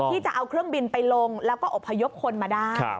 ที่จะเอาเครื่องบินไปลงแล้วก็อบพยพคนมาได้